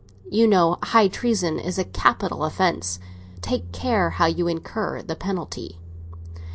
You know high treason is a capital offence; take care how you incur the penalty."